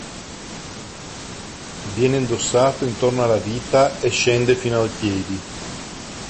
Viene indossato intorno alla vita, e scende fino ai piedi.